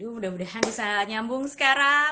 mudah mudahan bisa nyambung sekarang